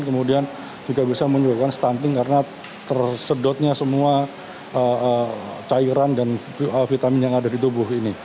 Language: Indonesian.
kemudian juga bisa menyebabkan stunting karena tersedotnya semua cairan dan vitamin yang ada di tubuh ini